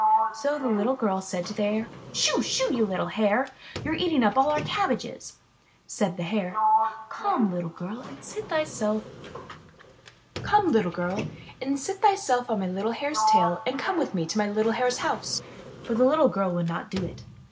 So the little girl said to the Hare: Shoo! Shoo! little Hare, you are eating up all our cabbages." Said the Hare: Come, little girl, and seat thyself on my little Hare's tail and go with me to my little Hare's house." But the little girl would not do it.